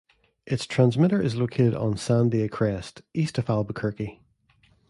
Its transmitter is located on Sandia Crest, east of Albuquerque.